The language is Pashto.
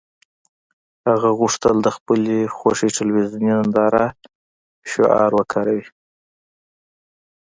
هغه غوښتل د خپلې خوښې تلویزیوني نندارې شعار وکاروي